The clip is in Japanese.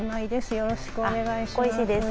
よろしくお願いします。